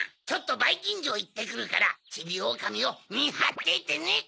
ちょっとバイキンじょういってくるからちびおおかみをみはっててね。